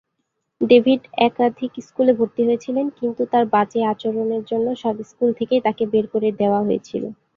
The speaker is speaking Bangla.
ডেভিড একাধিক স্কুলে ভর্তি হয়েছিলেন কিন্তু তাঁর বাজে আচরণের জন্য সব স্কুল থেকেই তাঁকে বের করে দেওয়া হয়েছিল।